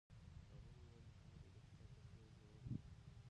هغې وویل محبت یې د کتاب په څېر ژور دی.